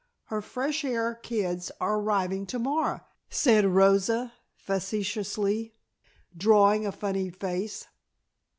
Her fresh air kids are arriving to morrow," said Rosa facetiously, drawing a funny face.